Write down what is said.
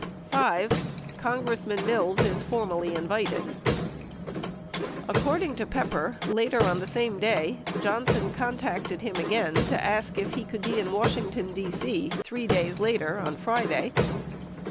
47 5. CONGRESSMAN MILLS IS FORMALLY INVITED According to Pepper, later on the same day, Johnson contacted him again to ask if he could be in Washington, D.C. (3 days later) on Friday.